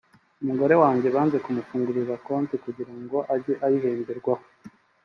umugore wanjye banze kumufungurira konti kugira ngo ajye ayihemberwaho